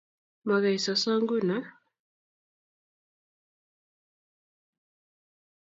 Mo kei soso nguno?